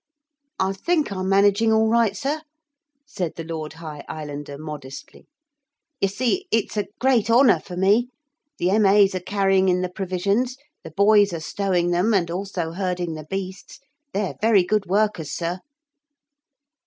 'I think I'm managing all right, sir,' said the Lord High Islander modestly. 'You see it's a great honour for me. The M.A.'s are carrying in the provisions, the boys are stowing them and also herding the beasts. They are very good workers, sir.'